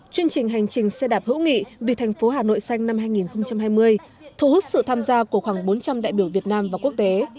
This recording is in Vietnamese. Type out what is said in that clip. chương trình hành trình xe đạp hữu nghị vì thành phố hà nội xanh năm hai nghìn hai mươi thu hút sự tham gia của khoảng bốn trăm linh đại biểu việt nam và quốc tế